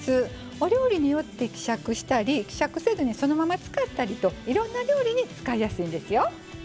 お料理によって希釈したり希釈せずに、そのまま使ったりといろんな料理に使いやすいんですよ。